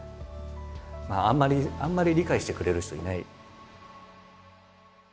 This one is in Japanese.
あんまり理解してくれる人いない。